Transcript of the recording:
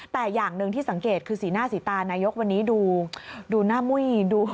แต่อย่างหนึ่งที่สังเกตคือสีหน้าสีตานายกวันนี้ดูหน้ามุ้ยดู